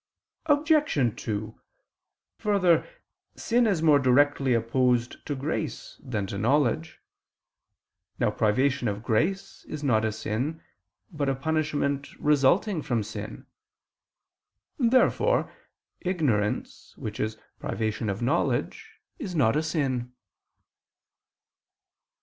Obj. 2: Further, sin is more directly opposed to grace than to knowledge. Now privation of grace is not a sin, but a punishment resulting from sin. Therefore ignorance which is privation of knowledge is not a sin.